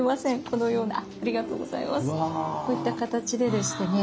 こういった形ででしてね。